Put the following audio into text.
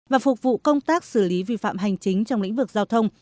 và phục vụ công tác xử lý vi phạm hành chính trong lĩnh vực giao thông